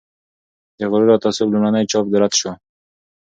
د "غرور او تعصب" لومړنی چاپ رد شو.